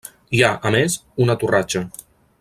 Hi ha, a més, una torratxa.